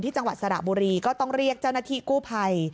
จังหวัดสระบุรีก็ต้องเรียกเจ้าหน้าที่กู้ภัย